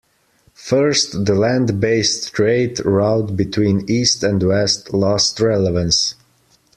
First, the land based trade route between east and west lost relevance.